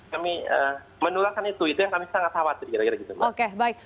kami menularkan itu itu yang kami sangat khawatir kira kira gitu